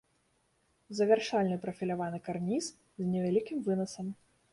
Завяршальны прафіляваны карніз з невялікім вынасам.